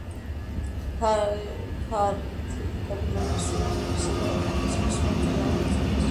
ქარᲗლᲨი დაბრუნებული სვიმონ მეფე საᲗავეᲨი Ჩაუდგა ოსმალᲗა წინააღმდეგ ბრძოლას.